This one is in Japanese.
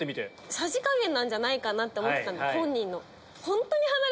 さじ加減じゃないかなと思ってた本人の。